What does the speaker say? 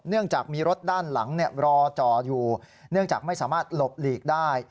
เนื่องจากมีรถด้านหลังรอจ่ออยู่เนื่องจากไม่สามารถหลบหลีกได้